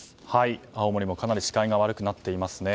青森もかなり視界が悪くなっていますね。